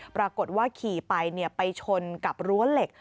ปรากฏว่าขี่ไปไปชนกับรั้วเหล็ก